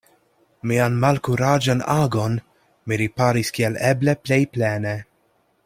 Mian malkuraĝan agon mi riparis kiel eble plej plene.